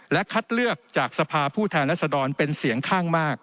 และคัดเลือกจากสภาผู้แทนรัศดรเป็นเสียงข้างมาก